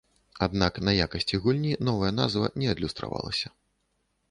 Аднак на якасці гульні новая назва не адлюстравалася.